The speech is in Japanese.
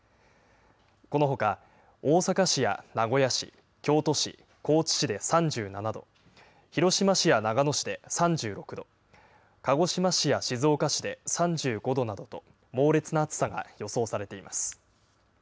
このほか大阪市や名古屋市、京都市、高知市で３７度、広島市や長野市で３６度、鹿児島市や静岡市で３５度などと、猛烈な暑さが予想されています。